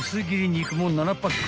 肉も７パック